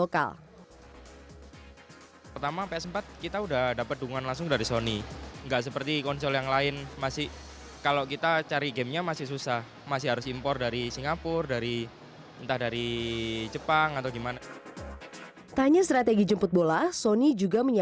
ketiga pemain besar ini terus berinovasi menghasilkan fitur hingga game eksklusif untuk menarik minat para konsumen